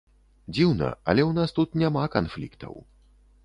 Дзіўна, але ў нас тут няма канфліктаў.